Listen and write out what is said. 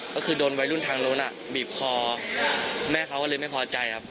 ก็คือโดนวัยรุ่นทางโน้นอ่ะบีบคอแม่เขาก็เลยไม่พอใจครับ